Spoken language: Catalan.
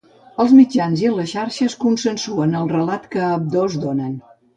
Els mitjans i les xarxes consensuen el relat que ambdós donen.